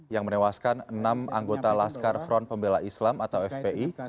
yang menewaskan enam anggota laskar front pembela islam atau fpi